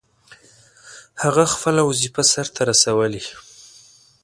هغه خپله وظیفه سرته رسولې.